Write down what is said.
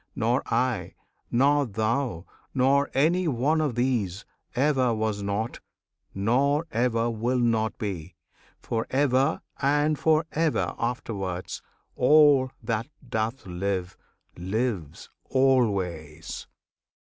Nor I, nor thou, nor any one of these, Ever was not, nor ever will not be, For ever and for ever afterwards. All, that doth live, lives always!